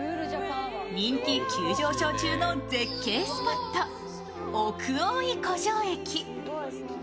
人気急上昇中の絶景スポット、奥大井湖上駅。